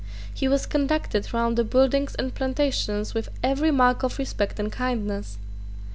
He was conducted round the buildings and plantations with every mark of respect and kindness.